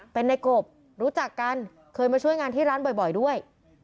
เป็นในกบรู้จักกันเคยมาช่วยงานที่ร้านบ่อยด้วย